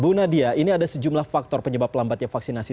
bu nadia ini ada sejumlah faktor penyebab lambatnya vaksinasi